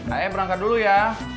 ayo berangkat dulu ya